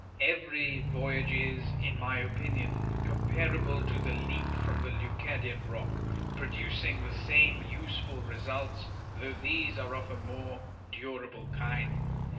Every voy age is, in my opinion, comparable to the leap from the Leucadian rock, producing the same useful results, though these are of a more durable kind.